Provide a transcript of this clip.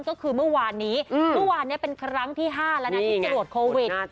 ก็คือเมื่อวานนี้เมื่อวานนี้เป็นครั้งที่๕แล้วนะที่ตรวจโควิด